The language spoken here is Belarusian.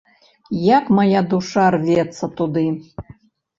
Як мая душа рвецца туды!